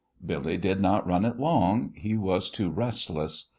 Billy did not run it long. He was too restless.